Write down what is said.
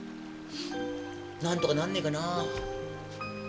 何とかなんねえかな？